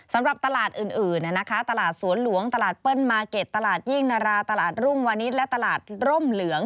สำหรับตลาดอื่นตลาดสวนหลวงตลาดเปิ้ลมาร์เก็ตตลาดยิ่งนาราตลาดรุ่งวานิสและตลาดร่มเหลือง